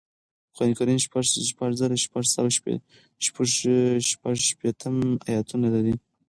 قرآن کریم شپږ زره شپږسوه شپږشپیتمه اياتونه لري